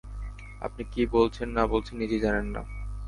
আপনি কী বলছেন না বলছেন, নিজেই জানেন না।